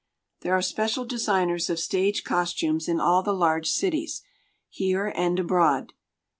There are special designers of stage costumes in all the large cities, here and abroad.